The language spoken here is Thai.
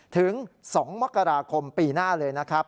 ถึง๒มกราคมปีหน้าเลยนะครับ